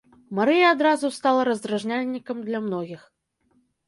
Марыя адразу стала раздражняльнікам для многіх.